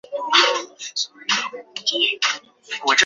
被提举两浙西路常平茶盐公事。